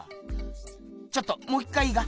ちょっともう一回いいか？